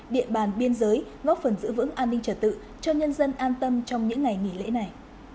địa bàn biên giới góp phần giữ vững an ninh trả tự cho nhân dân an tâm trong những ngày nghỉ lễ này